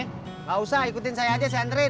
nggak usah ikutin saya aja saya enterin